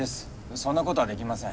そんなことはできません。